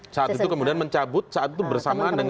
saat itu kemudian mencabut saat itu bersamaan dengan